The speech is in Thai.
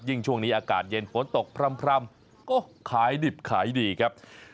ช่วงนี้อากาศเย็นฝนตกพร่ำก็ขายดิบขายดีครับ